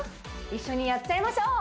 一緒にやっちゃいましょう！